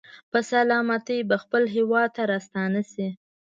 په سلامتۍ به خپل هېواد ته راستانه شي.